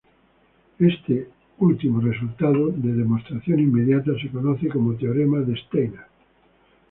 Este último resultado de demostración inmediata se conoce como teorema de Steiner.